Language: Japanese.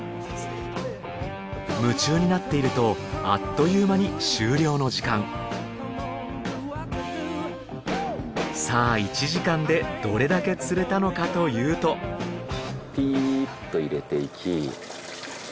夢中になっているとあっという間に終了の時間さあ１時間でどれだけ釣れたのかというとピーッと入れていき。